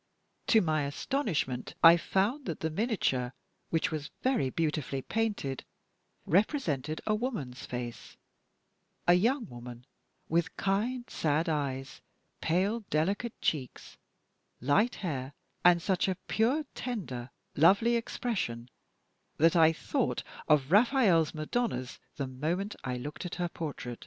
To my astonishment, I found that the miniature, which was very beautifully painted, represented a woman's face a young woman with kind, sad eyes, pale, delicate cheeks, light hair, and such a pure, tender, lovely expressions that I thought of Raphael's Madonnas the moment I looked at her portrait.